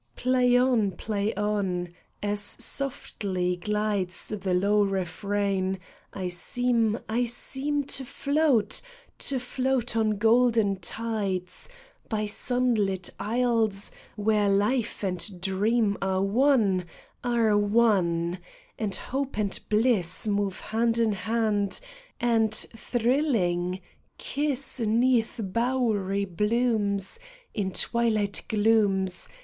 LAY on ! Play on ! As softly glides The low refrain, I seem, I seem To float, to float on golden tides, By sunlit isles, where life and dream Are one, are one ; and hope and bliss Move hand in hand, and thrilling, kiss 'Neath bowery blooms, In twilight glooms.